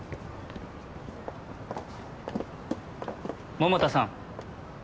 桃田さん。